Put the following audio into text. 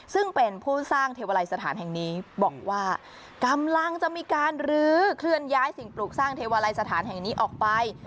ซึ่งเป็นผู้สร้างเทวลัยสถานแห่งนี้บอกว่ากำลังจะมีการลื้อเคลื่อนย้ายสิ่งปลูกสร้างเทวาลัยสถานแห่งนี้ออกไป